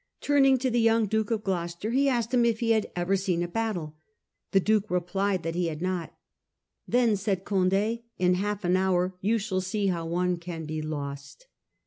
Turning to the young Duke of Gloucester he asked him if he had ever seen a battle. The Duke replied that he had not. ' Then,' said Conde, ' in half an hour you shall see how one can be lost.